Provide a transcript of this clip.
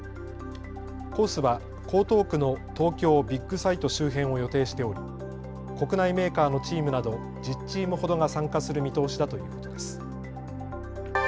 コースは江東区の東京ビッグサイト周辺を予定しており、国内メーカーのチームなど１０チームほどが参加する見通しだということです。